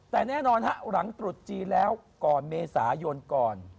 แต่แน่นอนฮะหลังตรุษจีนแล้วก่อนเมษายนก่อน